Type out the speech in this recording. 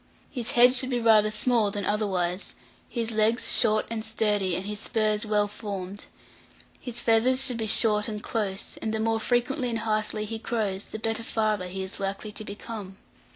His head should be rather small than otherwise, his legs short and sturdy, and his spurs well formed; his feathers should be short and close, and the more frequently and heartily he crows, the better father he is likely to become.